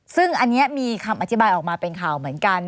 ซึ่งอันนี้มีคำอธิบายออกมาเป็นข่าวเหมือนกัน